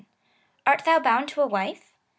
Art thou bound to a wife ?